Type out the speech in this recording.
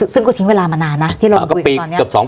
ซึ่งก็ทิ้งเวลามานานนะที่เราคุยกันตอนนี้